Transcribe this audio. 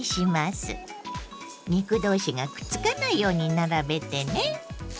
肉同士がくっつかないように並べてね。